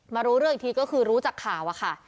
รู้เรื่องอีกทีก็คือรู้จากข่าวอะค่ะ